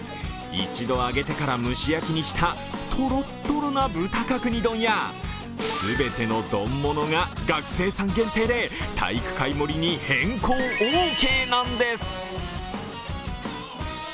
一度揚げてから蒸し焼きにしたとろっとろな豚角煮丼や全ての丼ものが学生さん限定で体育会盛りに変更オーケーなんです。